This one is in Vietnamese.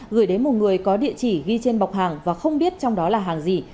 gửi đến một người có địa chỉ ghi trên bọc hàng và không biết trong đó là hàng gì